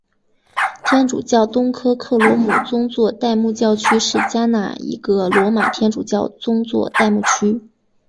天主教东科克罗姆宗座代牧教区是加纳一个罗马天主教宗座代牧区。